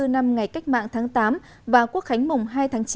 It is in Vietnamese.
bảy mươi bốn năm ngày cách mạng tháng tám và quốc khánh mùng hai tháng chín